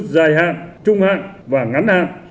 dài hạn trung hạn và ngắn hạn